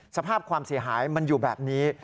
สภาพความเสียหายมันอยู่แบบนี้